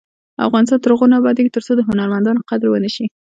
افغانستان تر هغو نه ابادیږي، ترڅو د هنرمندانو قدر ونشي.